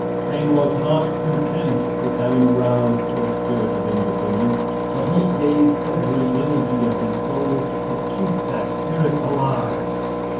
Paine was not content with having aroused the spirit of independence, but he gave every energy of his soul to keep that spirit alive.